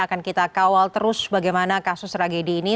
akan kita kawal terus bagaimana kasus tragedi ini